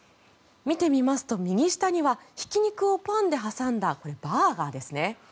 見てみると、右下にはひき肉をパンに挟んだバーガーですね。